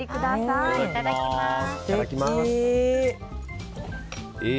いただきます。